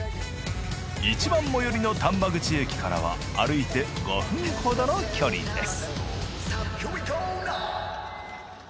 いちばん最寄りの丹波口駅からは歩いて５分ほどの距離です。